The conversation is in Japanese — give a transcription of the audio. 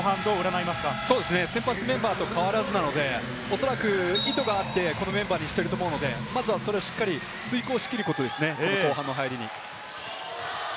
先発メンバーと変わらずなので、おそらく意図があって、このメンバーにしていると思うので、まずはそれをしっかり遂行し切ることですね、後半の入りに。